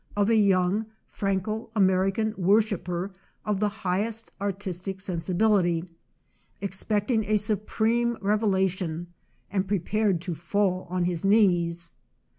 of a young Fran co American worshipper of the highest ar tistic sensibility, expecting a supreme rev elation, and prepared to fall on his knees.